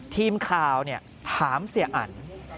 ทีมข่าวถามเสียอัน